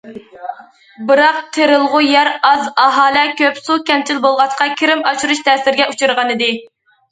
بىراق، تېرىلغۇ يەر ئاز، ئاھالە كۆپ، سۇ كەمچىل بولغاچقا، كىرىم ئاشۇرۇش تەسىرگە ئۇچرىغانىدى.